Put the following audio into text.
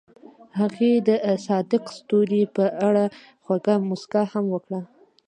هغې د صادق ستوري په اړه خوږه موسکا هم وکړه.